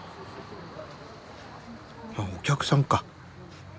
あっお客さんか。